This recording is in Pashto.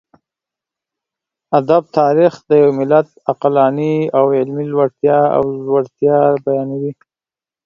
ادب تاريخ د يوه ملت عقلاني او علمي لوړتيا او ځوړتيا بيانوي.